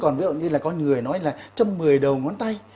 còn ví dụ như là con người nói là châm một mươi đầu ngón tay